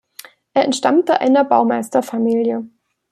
Er entstammte einer Baumeisterfamilie.